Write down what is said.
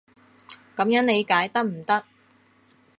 噉樣理解得唔得？